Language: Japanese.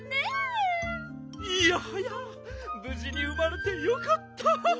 いやはやぶじに生まれてよかった！